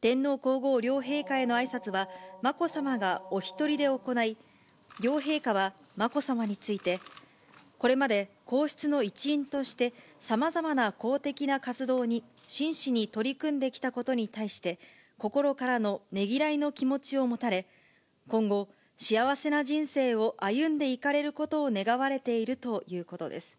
天皇皇后両陛下へのあいさつは、まこさまがお一人で行い、両陛下はまこさまについて、これまで皇室の一員として、さまざまな公的な活動に真摯に取り組んできたことに対して、心からのねぎらいの気持ちを持たれ、今後、幸せな人生を歩んでいかれることを願われているということです。